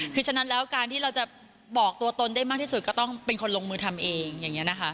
คือฉะนั้นแล้วการที่เราจะบอกตัวตนได้มากที่สุดก็ต้องเป็นคนลงมือทำเองอย่างนี้นะคะ